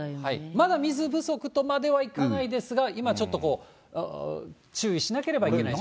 まだ水不足とまではいかないですが、今ちょっとこう、注意しなければいけない状態。